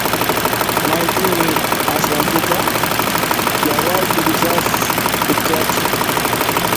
Mayqinmi aswan puka? yawarchu rosas t'ikachu?